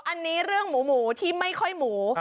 อันนี้เรื่องหมูที่ไม่ค่อยหมู